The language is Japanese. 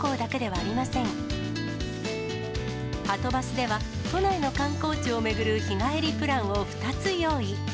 はとバスでは、都内の観光地を巡る日帰りプランを２つ用意。